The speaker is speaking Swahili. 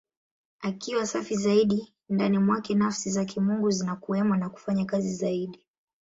Akiwa safi zaidi, ndani mwake Nafsi za Kimungu zinakuwemo na kufanya kazi zaidi.